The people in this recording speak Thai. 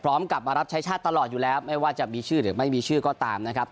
กลับมารับใช้ชาติตลอดอยู่แล้วไม่ว่าจะมีชื่อหรือไม่มีชื่อก็ตามนะครับ